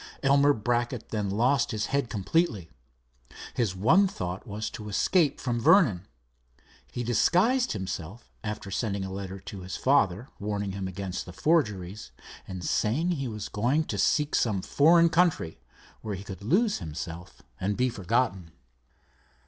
Elmer Brackett then lost his head completely. His one thought was to escape from Vernon. He disguised himself, after sending a letter to his father, warning him against the forgeries, and saying he was going to seek some foreign country where he could lose himself and be forgotten.